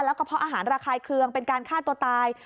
แล้วก็เพาะอาหารระคายเคืองเป็นการฆ่าตัวตาย